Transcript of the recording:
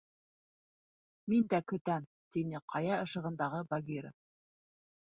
— Мин дә көтәм, — тине ҡая ышығындағы Багира.